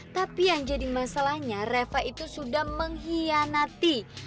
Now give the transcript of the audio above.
tapi yang jadi masalahnya reva itu sudah mengkhianati